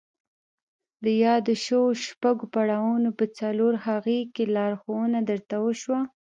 د يادو شويو شپږو پړاوونو په څلورم هغه کې لارښوونه درته وشوه.